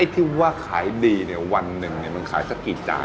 พี่ว่าขายดีเนี้ยวันหนึ่งเนี้ยมันขายสักกี่จาน